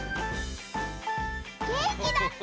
げんきだって！